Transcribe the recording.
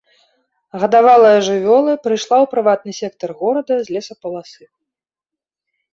Гадавалая жывёла прыйшла ў прыватны сектар горада з лесапаласы.